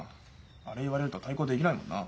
あれ言われると対抗できないもんな。